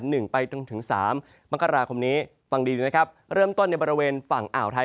หนึ่งไปจนถึงสามมกราคมนี้ฟังดีนะครับเริ่มต้นในบริเวณฝั่งอ่าวไทย